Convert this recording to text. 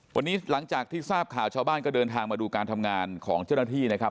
วันนี้หลังจากที่ทราบข่าวชาวบ้านก็เดินทางมาดูการทำงานของเจ้าหน้าที่นะครับ